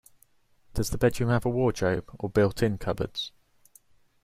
Does the bedroom have a wardrobe, or built-in cupboards?